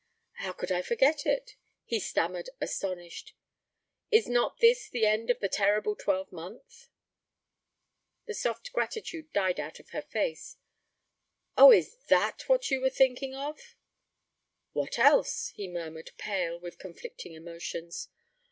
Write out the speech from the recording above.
'How could I forget it?' he stammered, astonished. 'Is not this the end of the terrible twelve month?' The soft gratitude died out of her face. 'Oh, is that what you were thinking of?' 'What else?' he murmured, pale with conflicting emotions.